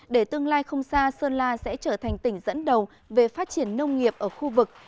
để tương lai không xa sơn la sẽ trở thành tỉnh dẫn đầu về phát triển nông nghiệp ở khu vực